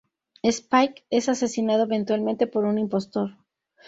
Spike es asesinado eventualmente por un impostor.